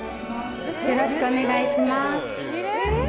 よろしくお願いします。